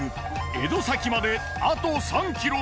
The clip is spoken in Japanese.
江戸崎まであと３ｋｍ。